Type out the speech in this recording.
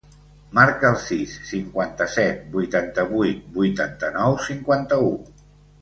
Marca el sis, cinquanta-set, vuitanta-vuit, vuitanta-nou, cinquanta-u.